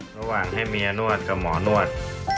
ระหว่างให้เมียนวดกับหมอนวด